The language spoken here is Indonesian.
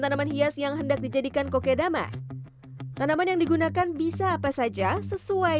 tanaman hias yang hendak dijadikan kokedama tanaman yang digunakan bisa apa saja sesuai